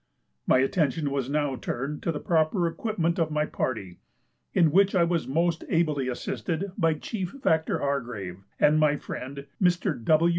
My attention was now turned to the proper equipment of my party, in which I was most ably assisted by Chief Factor Hargrave and my friend, Mr. W.